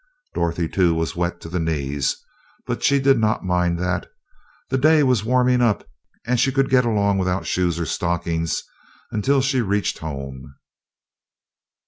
Dorothy, too, was wet to the knees, but she did not mind that. The day was warming up and she could get along without shoes or stockings until she reached home.